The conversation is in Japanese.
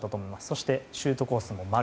そして、シュートコースも丸。